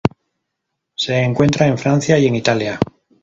Se encuentra en Francia y en Italia.